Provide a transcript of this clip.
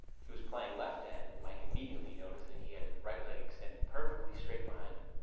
He was playing left end and Mike immediately noticed that he had his right leg extended perfectly straight behind him.